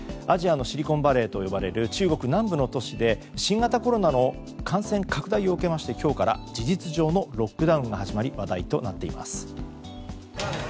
アジアのシリコンバレーと呼ばれる中国南部の都市で新型コロナの感染拡大を受けまして、今日から事実上のロックダウンが始まり話題となっています。